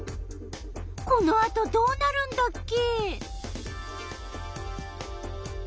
このあとどうなるんだっけ？